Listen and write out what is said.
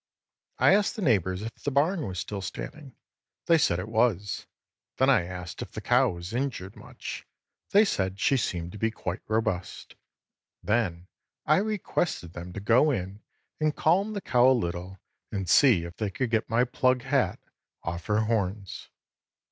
I asked the neighbors if the barn was still standing. They said it was. Then I asked if the cow was injured much. They said she seemed to be quite robust. Then I requested them to go in and calm the cow a little and see if they could get my plug hat off her horns.